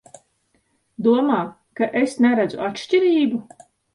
Domā, ka es neredzu atšķirību?